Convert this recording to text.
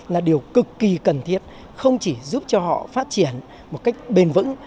là điều cực kỳ cần thiết không chỉ giúp cho họ phát triển một cách bền vững